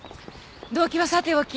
動機はさておき